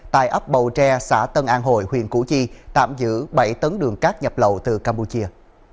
tại ấp bầu tre xã tân an hội huyện củ chi tạm giữ bảy tấn đường cát nhập lậu từ campuchia